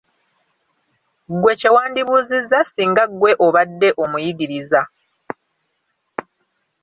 Ggwe kye wandibuzizza singa ggwe obadde omuyigiriza.